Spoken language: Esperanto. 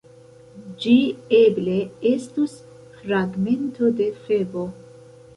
Ĝi eble estus fragmento de Febo.